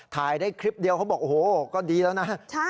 ถ่ายได้คลิปเดียวเขาบอกโอ้โหก็ดีแล้วนะ